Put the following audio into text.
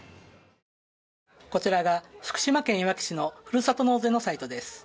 こちらが福島県いわき市のふるさと納税のサイトです。